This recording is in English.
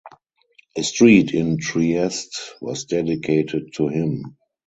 A street in Trieste was dedicated to him.